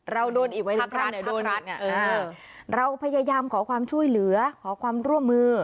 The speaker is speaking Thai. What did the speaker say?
เราโดนอีกไว้แล้วโดนอีกเราพยายามขอความช่วยเหลือขอความร่วมมือ